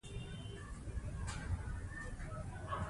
موږ اقتصاد پوهانو ته اړتیا لرو.